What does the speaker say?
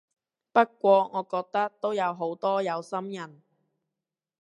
不過我覺得都好多有心人